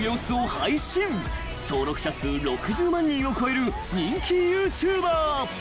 ［登録者数６０万人を超える人気ＹｏｕＴｕｂｅｒ］